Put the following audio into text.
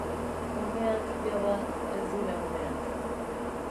Umeak, jada, ez dira umeak.